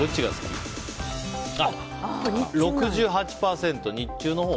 ６８％、日中のほう。